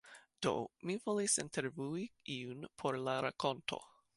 Do, mi volis intervjui iun por la rakonto.